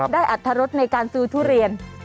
อัตรรสในการซื้อทุเรียน